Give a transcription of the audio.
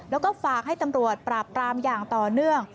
แล้วก็ฝากให้ตำรวจปราบปรามอย่างต่อเนื่อง